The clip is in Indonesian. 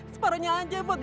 separangnya aja buat ibu